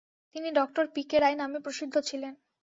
তিনি doctor P. K. Roy নামে প্রসিদ্ধ ছিলেন।